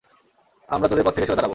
আমরা তোদের পথ থেকে সরে দাঁড়াবো।